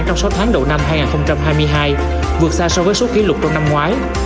trong sáu tháng đầu năm hai nghìn hai mươi hai vượt xa so với số kỷ lục trong năm ngoái